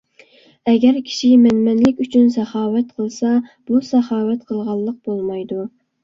ئەگەر كىشى مەنمەنلىك ئۈچۈن ساخاۋەت قىلسا، بۇ ساخاۋەت قىلغانلىق بولمايدۇ.